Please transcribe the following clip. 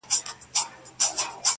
اوس به مي غوږونه تر لحده وي کاڼه ورته؛